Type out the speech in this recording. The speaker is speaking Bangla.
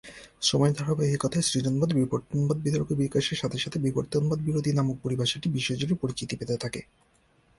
সময়ের ধারাবাহিকতায় সৃজনবাদ-বিবর্তনবাদ বিতর্ক বিকাশের সাথে সাথে, "বিবর্তনবাদ-বিরোধী" নামক পরিভাষাটি বিশ্বজুড়ে পরিচিতি পেতে থাকে।